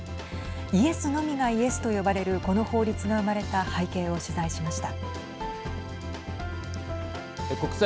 イエスのみがイエスと呼ばれるこの法律が生まれた背景を取材しました。